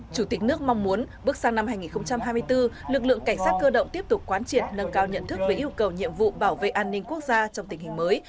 chủ tịch nước mong muốn bước sang năm hai nghìn hai mươi bốn lực lượng cảnh sát cơ động tiếp tục quán triệt nâng cao nhận thức về yêu cầu nhiệm vụ bảo vệ an ninh quốc gia trong tình hình mới